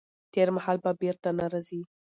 تېر مهال به بیرته نه راځي.